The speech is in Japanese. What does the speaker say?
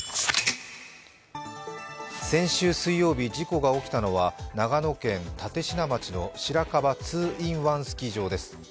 先週水曜日、事故が起きたのは長野県立科町のしらかば２ｉｎ１スキー場です。